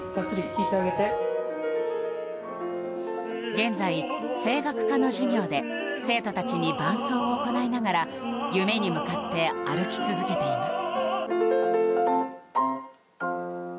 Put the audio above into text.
現在、声楽科の授業で生徒たちに伴奏を行いながら夢に向かって歩き続けています。